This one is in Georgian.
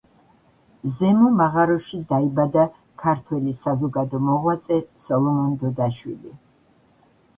ზემო მაღაროში დაიბადა ქართველი საზოგადო მოღვაწე სოლომონ დოდაშვილი.